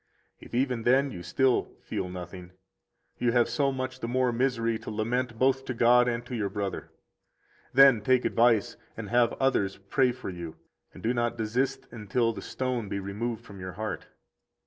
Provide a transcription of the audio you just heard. If even then you still feel nothing, you have so much the more misery to lament both to God and to your brother. Then take advice and have others pray for you, and do not desist until the stone be removed from your heart.